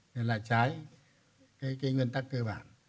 thì là trái cái nguyên tắc cơ bản